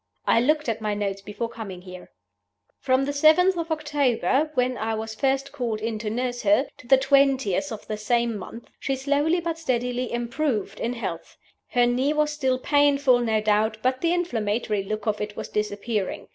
I looked at my notes before coming here. "From the 7th of October, when I was first called in to nurse her, to the 20th of the same month, she slowly but steadily improved in health. Her knee was still painful, no doubt; but the inflammatory look of it was disappearing.